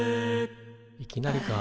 いきなりか。